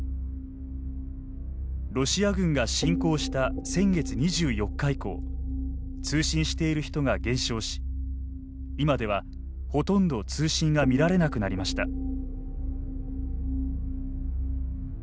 ロシア軍が侵攻した先月２４日以降通信している人が減少し今ではほとんど通信が見られなくなりました。